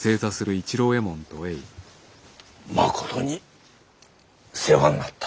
まことに世話んなった。